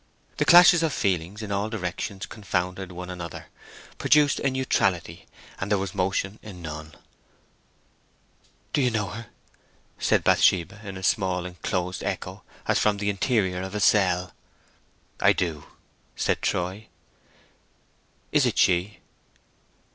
The clashes of feeling in all directions confounded one another, produced a neutrality, and there was motion in none. "Do you know her?" said Bathsheba, in a small enclosed echo, as from the interior of a cell. "I do," said Troy. "Is it she?"